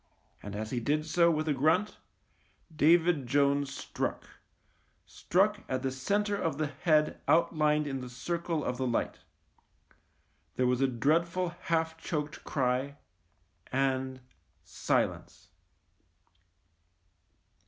And as he did so with a grunt, David Jones struck — struck at the centre of the head outlined in the circle of light. There was a dreadful half choked cry and — silence.